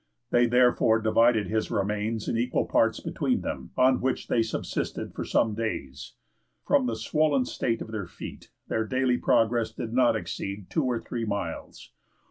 They therefore divided his remains in equal parts between them, on which they subsisted for some days. From the swollen state of their feet their daily progress did not exceed two or three miles.